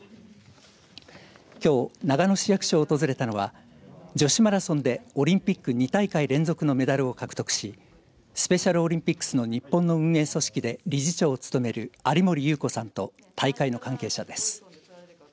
きょう、長野市役所を訪れたのは女子マラソンでオリンピック２大会連続のメダルを獲得しスペシャルオリンピックスの日本の運営組織で理事長を務める有森裕子さんと大会の関係者です。